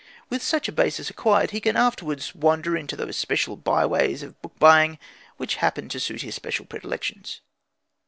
With such a basis acquired, he can afterwards wander into those special byways of book buying which happen to suit his special predilections.